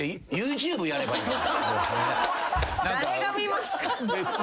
誰が見ますか。